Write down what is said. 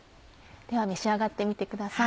では召し上がってみてください。